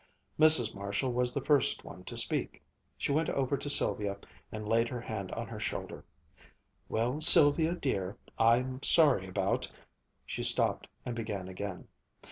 Mrs. Marshall was the first one to speak. She went over to Sylvia and laid her hand on her shoulder. "Well, Sylvia dear, I'm sorry about " She stopped and began again.